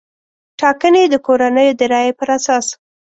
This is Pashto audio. ټاګنې د کورنیو د رایې پر اساس